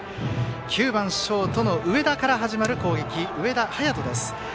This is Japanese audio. ９番ショートの上田迅人から始まる攻撃です。